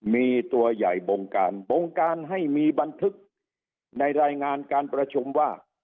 มีตัวใหญ่บงการบงการให้มีบันทึกในรายงานการประชุมว่า